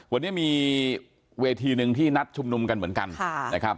วันนี้มีเวทีหนึ่งที่นัดชุมนุมกันเหมือนกันนะครับ